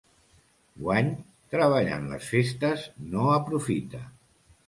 Guany, treballant les festes, no aprofita.